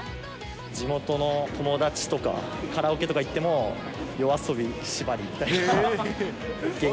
地元の友達とか、カラオケとか行っても、ＹＯＡＳＯＢＩしばりみたいな。